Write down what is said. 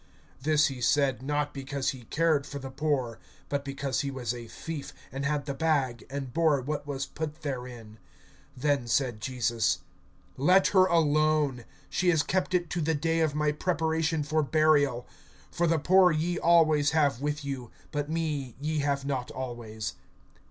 (6)This he said, not because he cared for the poor; but because he was a thief, and had the bag, and bore[12:6] what was put therein. (7)Then said Jesus: Let her alone; she has kept it[12:7] to the day of my preparation for burial. (8)For the poor ye have always with you; but me ye have not always.